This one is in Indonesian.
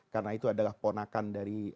karena itu adalah ponakan dari